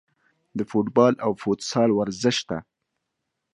د فوټبال او فوتسال ورزش ته